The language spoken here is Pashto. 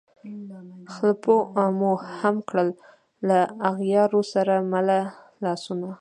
خلپو مو هم کړل له اغیارو سره مله لاسونه